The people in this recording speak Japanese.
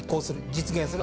実現する。